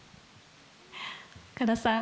岡田さん